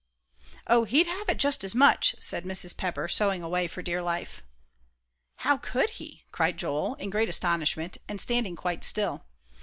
"Oh, he'd have it just as much," said Mrs. Pepper, sewing away for dear life. "How could he?" cried Joel, in great astonishment, and standing quite still.